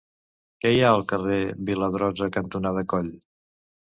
Què hi ha al carrer Viladrosa cantonada Coll?